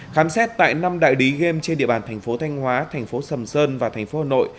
khám xét tại năm đại lý game trên địa bàn tp thanh hóa tp sầm sơn và tp hà nội